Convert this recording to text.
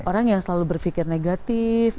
orang yang selalu berpikir negatif